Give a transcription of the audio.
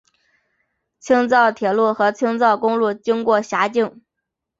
青藏铁路和青藏公路经过辖境。